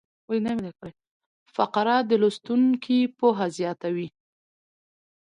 فقره د لوستونکي پوهه زیاتوي.